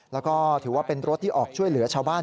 แล้วก็ถือว่าเป็นรถที่ออกช่วยเหลือชาวบ้าน